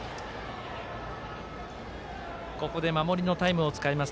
ここで守りのタイムを使います。